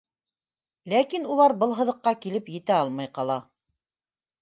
Ләкин улар был һыҙыҡҡа килеп етә алмай ҡала.